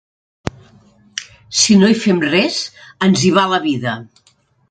Si no hi fem res, ens hi va la vida.